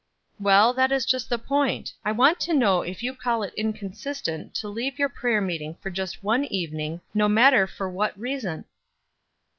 "Well, that is just the point. I want to know if you call it inconsistent to leave your prayer meeting for just one evening, no matter for what reason?"